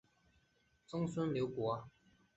曾孙刘洎。